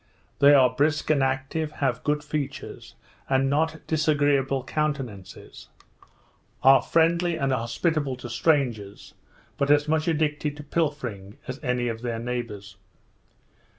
They are brisk and active, have good features, and not disagreeable countenances; are friendly and hospitable to strangers, but as much addicted to pilfering as any of their neighbours.